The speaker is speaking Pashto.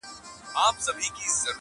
چي یو غټ سي د پنځو باندي یرغل سي؛